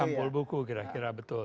kumpul buku kira kira betul